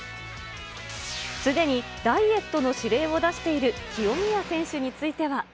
すでにダイエットの指令を出している清宮選手については。